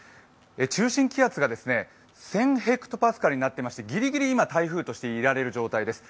中心気圧が１０００ｈＰａになっていましてぎりぎり今、台風としていられる状態です。